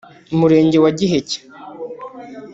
Umurenge wa Giheke